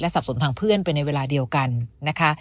สับสนทางเพื่อนไปในเวลาเดียวกันนะคะ